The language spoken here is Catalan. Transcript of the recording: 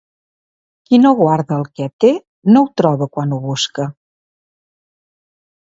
Qui no guarda el que té no ho troba quan ho busca.